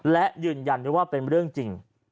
และยืนยันได้ว่าเป็นเรื่องจริง